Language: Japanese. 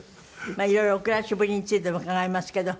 色々お暮らしぶりについても伺いますけど。